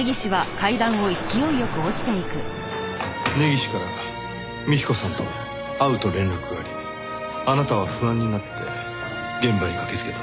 根岸から幹子さんと会うと連絡がありあなたは不安になって現場に駆けつけた。